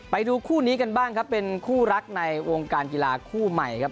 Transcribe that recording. ไปดูคู่นี้กันบ้างครับเป็นคู่รักในวงการกีฬาคู่ใหม่ครับ